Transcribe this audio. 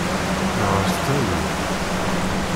Nheṛ s ttawil.